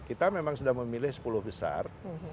kita memang sudah memilih sepuluh besar